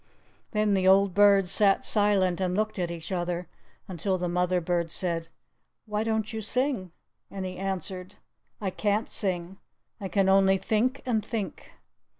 Then the old birds sat silent and looked at each other, until the mother bird said, "Why don't you sing?" And he answered, "I can't sing I can only think and think."